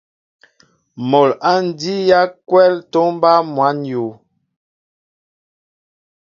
Mol a njii yaakwɛl tomba măn yu.